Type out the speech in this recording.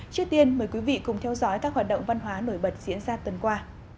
trước tiên mời quý vị cùng theo dõi các hoạt động văn hóa nổi bật diễn ra tuần qua